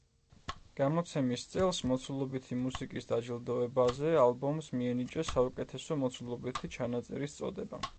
გამოცემის წელს მოცულობითი მუსიკის დაჯილდოებაზე ალბომს მიენიჭა საუკეთესო მოცულობითი ჩანაწერის წოდება.